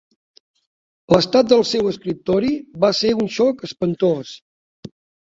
L'estat del seu escriptori va ser un xoc espantós.